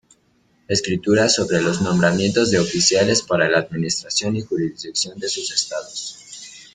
Escrituras sobre los nombramientos de oficiales para la administración y jurisdicción de sus estados.